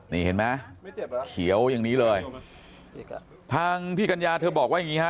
นี่เห็นไหมเขียวอย่างนี้เลยทางพี่กัญญาเธอบอกว่าอย่างงี้ฮะ